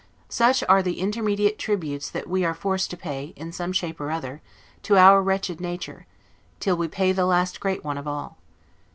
Such are the intermediate tributes that we are forced to pay, in some shape or other, to our wretched nature, till we pay the last great one of all.